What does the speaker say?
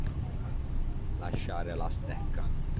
Lasciare la stecca.